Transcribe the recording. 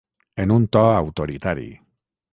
En un to autoritari.